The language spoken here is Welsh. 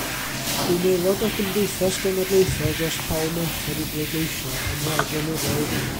Bu'n aelod o Gymdeithas Genedlaethol dros Hawl Merched i Bleidleisio am rai blynyddoedd.